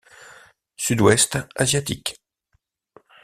Sud-ouest asiatique.